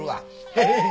ヘヘヘ。